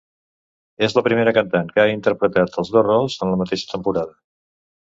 És la primera cantant que ha interpretat els dos rols en la mateixa temporada.